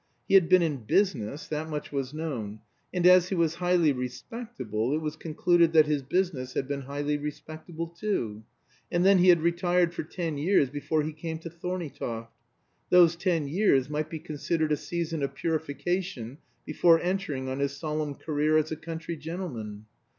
He had been in business that much was known; and as he was highly respectable, it was concluded that his business had been highly respectable too. And then he had retired for ten years before he came to Thorneytoft. Those ten years might be considered a season of purification before entering on his solemn career as a country gentleman.